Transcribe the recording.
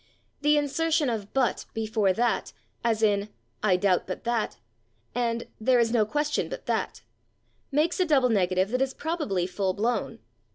The insertion of /but/ before that, as in "I doubt /but/ that" and "there is no question /but/ that," makes a double negative that is probably full blown.